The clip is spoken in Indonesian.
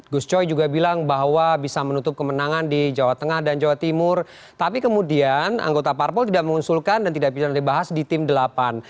gus coy juga bilang bahwa bisa menutup kemenangan di jawa tengah dan jawa timur tapi kemudian anggota parpol tidak mengusulkan dan tidak bisa dibahas di tim delapan